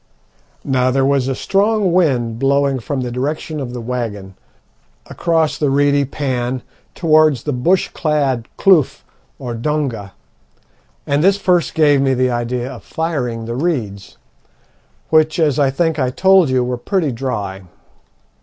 Now there was a strong wind blowing from the direction of the waggon, across the reedy pan towards the bush clad kloof or donga, and this first gave me the idea of firing the reeds, which, as I think I told you, were pretty dry.